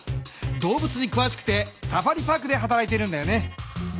動物にくわしくてサファリ・パークではたらいているんだよね。